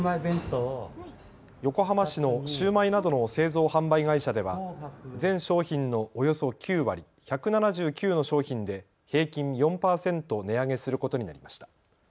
横浜市のシューマイなどの製造・販売会社では全商品のおよそ９割、１７９の商品で平均４％値上げすることになりました。